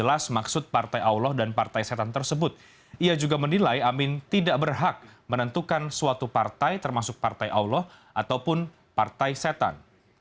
ia juga menilai amin tidak berhak menentukan suatu partai termasuk partai allah ataupun partai setan